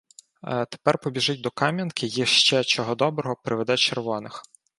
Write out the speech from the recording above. Тепер побіжить до Кам'янки й ще, чого доброго, приведе червоних.